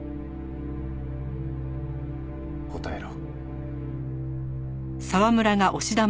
答えろ。